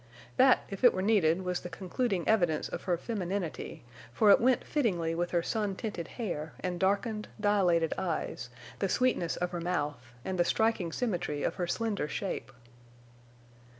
That, if it were needed, was the concluding evidence of her femininity, for it went fittingly with her sun tinted hair and darkened, dilated eyes, the sweetness of her mouth, and the striking symmetry of her slender shape.